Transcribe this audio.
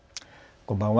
こんばんは。